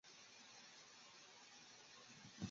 但性力派女神要血肉供养。